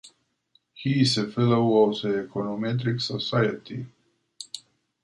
He is a fellow of the Econometric Society.